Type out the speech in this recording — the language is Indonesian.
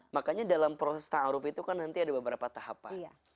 makanya dalam proses ta'aruf itu kan nanti ada beberapa tahapan